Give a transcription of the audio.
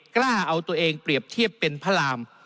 กล้าเอาตัวเองเปรียบเทียบเป็นพระราม